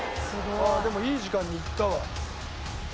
でもいい時間に行ったわ。